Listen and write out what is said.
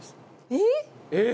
えっ！？